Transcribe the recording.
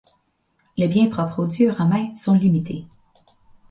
Les biens propres aux dieux romains sont limités.